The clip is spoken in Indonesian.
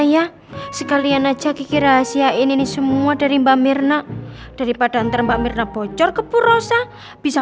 ya sekalian aja kiki rahasia ini semua dari mbak mirna daripada ntar mbak mirna bocor ke purosa bisa